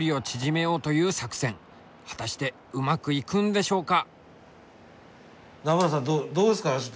果たしてうまくいくんでしょうか？